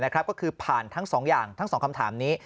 ก็คือผ่านทั้ง๒อย่างทั้ง๒คำถามนี้